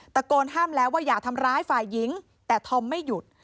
ตะโกนห้ามแล้วว่าอย่าทำร้ายฝ่ายหญิงแต่ธอมไม่หยุด